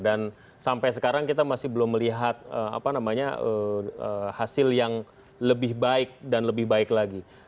dan sampai sekarang kita masih belum melihat hasil yang lebih baik dan lebih baik lagi